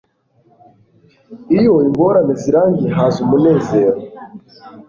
Iyo ingorane zirangiye haza umunezero.